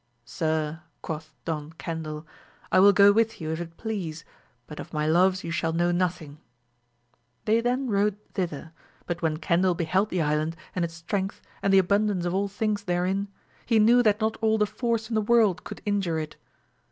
Sir, quoth Don Cendil, I will go with you if it please, but of my loves you shall know nothing. They then rode thither, but when CendU beheld the island, and its strength, and the abun dance of all things therein, he knew that not all the force in the world could injure it.